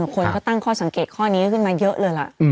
คนก็ตั้งข้อสังเกตข้อนี้ขึ้นมาเยอะเลยล่ะ